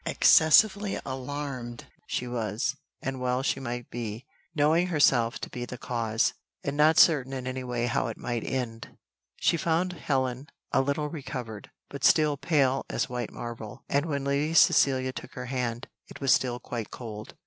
Excessively alarmed she was, and well she might be, knowing herself to be the cause, and not certain in any way how it might end. She found Helen a little recovered, but still pale as white marble; and when Lady Cecilia took her hand, it was still quite cold.